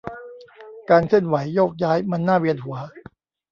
การเคลื่อนไหวโยกย้ายมันน่าเวียนหัว